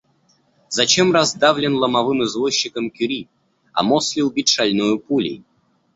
Зачем раздавлен ломовым извозчиком Кюри, а Мосли убит шальною пулей?